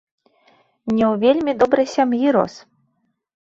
Не ў вельмі добрай сям'і рос.